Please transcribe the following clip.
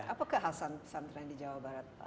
apakah khasan pesantren di jawa barat